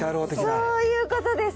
そういうことです。